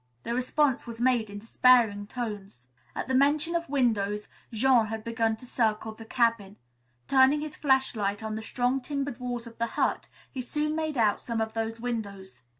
This response was made in despairing tones. At the mention of windows, Jean had begun to circle the cabin. Turning his flashlight on the strong timbered walls of the hut, he soon made out one of those windows.